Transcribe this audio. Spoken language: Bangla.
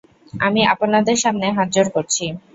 আমি আপনাদের সামনে হতজোড় করছি।